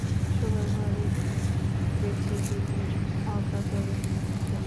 শোবার ঘরে গিয়ে দেখি তিনি অকাতরে ঘুমোচ্ছেন।